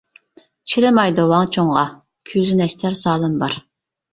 چىدىمايدۇ ۋاڭ چوڭغا، كۆزى نەشتەر زالىم بار.